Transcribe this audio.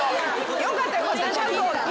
よかったよかったちゃんと聞いてたね。